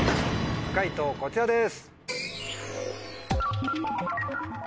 解答こちらです。